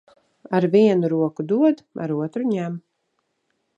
Ar vienu roku dod, ar otru ņem.